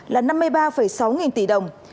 là năm mươi ba sáu nghìn tỷ đồng